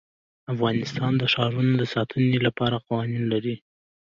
افغانستان د ښارونه د ساتنې لپاره قوانین لري.